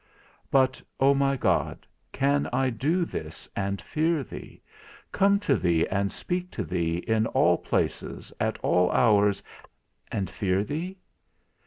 But, O my God, can I do this, and fear thee; come to thee and speak to thee, in all places, at all hours, and fear thee?